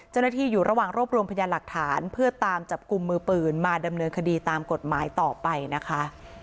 เจ้าหน้าที่อยู่ระหว่างรวบรวมพยานหลักฐานเพื่อตามจับกลุ่มมือปืนมาดำเนินคดีตามกฎหมายต่อไปนะคะ